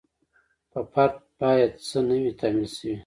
په فرد باید څه نه وي تحمیل شوي.